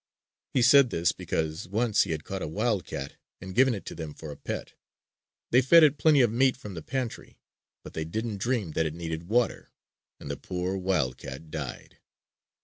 He said this because once he had caught a wildcat and given it to them for a pet. They fed it plenty of meat from the pantry. But they didn't dream that it needed water. And the poor wildcat died.